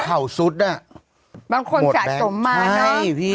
อู๋เขาสุดน่ะบางคนสะสมมาเนอะใช่พี่